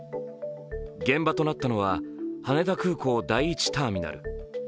現場となったのは、羽田空港第１ターミナル。